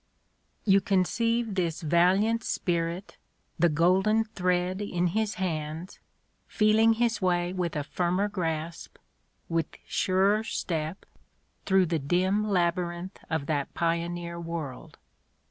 YOU conceive this valiant spirit, the golden thread in his hands, feeling his way with firmer grasp, with surer step, through the dim labyrinth of that pio neer world.